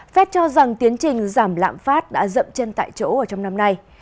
phép cho rằng tiến trình giảm lạm phát đã dậm chân tại chỗ trong năm nay